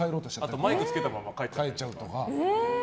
あと、マイクつけたまま帰っちゃうとか。